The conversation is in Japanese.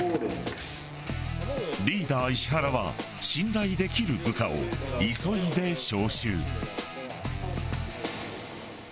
リーダー石原は信頼できる部下を急いで招集。